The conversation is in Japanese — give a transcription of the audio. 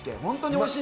おいしい。